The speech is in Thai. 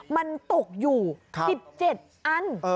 มันตกอยู่๑๗อัน